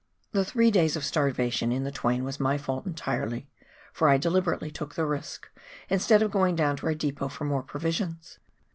The three daj'^s of starvation in the Twain was my fault entirely, for I deliberately took the risk, instead of going down to our depot for more provisions.